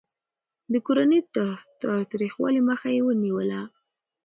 د کورني تاوتريخوالي مخه يې نيوله.